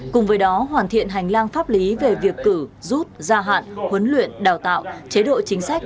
cùng với đó hoàn thiện hành lang pháp lý về việc cử rút gia hạn huấn luyện đào tạo chế độ chính sách